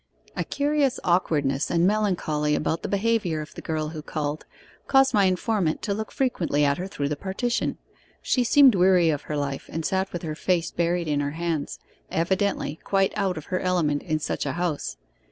A curious awkwardness and melancholy about the behaviour of the girl who called, caused my informant to look frequently at her through the partition. She seemed weary of her life, and sat with her face buried in her hands, evidently quite out of her element in such a house.